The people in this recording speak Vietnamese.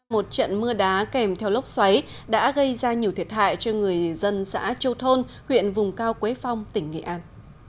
một trận mưa đá kèm theo lốc xoáy đã gây ra nhiều thiệt hại cho người dân xã châu thôn huyện vùng cao quế phong tỉnh nghệ an